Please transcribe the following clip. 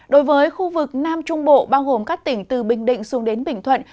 đối với khu vực nam trung bộ bao gồm các tỉnh từ bình định xuống đến bình thuận